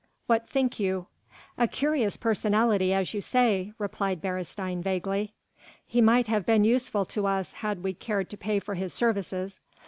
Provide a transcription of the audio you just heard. what think you?" "A curious personality as you say," replied Beresteyn vaguely. "He might have been useful to us had we cared to pay for his services